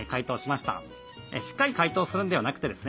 しっかり解凍するんではなくてですね